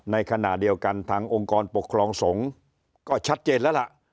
ในขณะเดียวกันทางองค์กรปกครองสงฆ์ก็ชัดเจนแล้วล่ะ